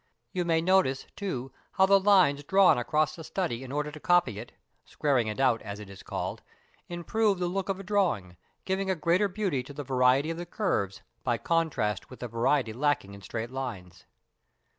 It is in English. You may notice, too, how the lines drawn across a study in order to copy it (squaring it out, as it is called) improve the look of a drawing, giving a greater beauty to the variety of the curves by contrast with the variety lacking in straight lines.